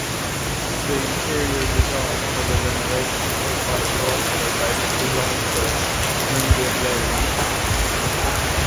The interior design for the renovation was by Toronto-based design firm, Munge Leung.